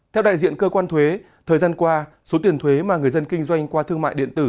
theo đại diện cơ quan thuế thời gian qua số tiền thuế mà người dân kinh doanh qua thương mại điện tử